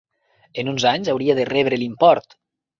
En uns anys hauria de rebre l'import.